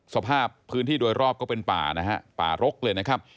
สภาพพื้นที่โดยรอบก็เป็นป่านะฮะป่ารกเลยนะครับ